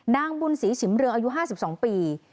นางบุญศรีฉิมเรืองอายุ๕๒ปี